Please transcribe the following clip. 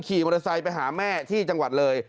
ขี่มอเตอร์ไซค์ไปหาแม่ที่จังหวัดเลย